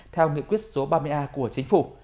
theo nghị quyết số ba mươi a của chính phủ